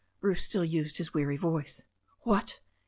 Bruce still used his weary voice. "What